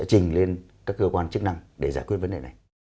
trình lên các cơ quan chức năng để giải quyết vấn đề này